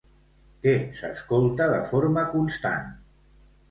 Què s'escolta de forma constant?